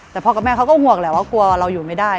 แต่พ่อกับแม่เขาก็ห่วงแหละว่ากลัวเราอยู่ไม่ได้